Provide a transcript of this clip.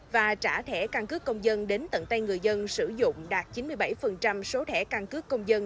và trả thẻ căn cước công dân đến tận tay người dân sử dụng đạt chín mươi bảy số thẻ căn cước công dân